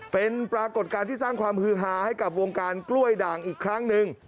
เป็นปรากฏการณ์ที่สร้างความฮือฮาให้กับวงการกล้วยด่างอีกครั้งหนึ่ง